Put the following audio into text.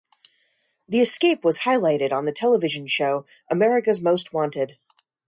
The escape was highlighted on the television show "America's Most Wanted".